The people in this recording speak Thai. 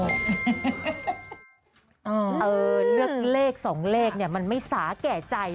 เลือกเลขสองเลขมันไม่สาแก่ใจ